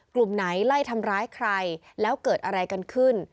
กลุ่มไหนไล่ทำร้ายใครแล้วเกิดอะไรกันขึ้น